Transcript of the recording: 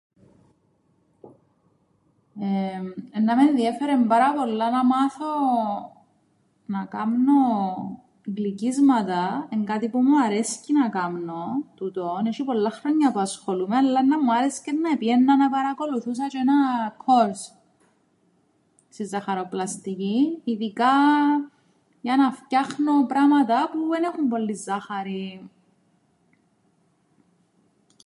Εμ, εννά με ενδιέφερεν πάρα πολλά να κάμνω γλυκίσματα, εν' κάτι που μου αρέσκει να κάμνω τούτον, έσ̆ει πολλά χρόνια που ασχολούμαι, αλλά εννά μου άρεσκεν να επήαιννα να 'παρακολουθούσα τζ̆αι έναν course στην ζαχαροπλαστικήν, ειδικά για να φτιάχνω πράματα που εν έχουν πολλήν ζάχαρην.